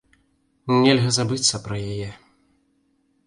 Нельга забыцца пра яе.